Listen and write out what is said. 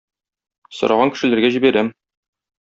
Сораган кешеләргә җибәрәм.